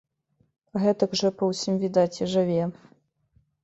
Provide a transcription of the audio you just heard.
Гэтак жа, па ўсім відаць, і жыве.